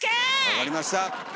分かりました！